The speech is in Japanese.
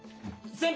先輩！